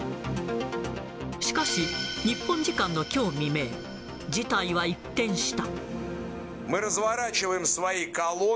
しかし、日本時間のきょう未明、事態は一転した。